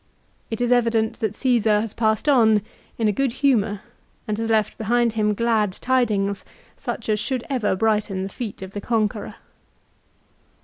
1 It is evident that Caesar has passed on in a good humour and has left behind him glad tidings, such as should ever brighten the feet of the conqueror.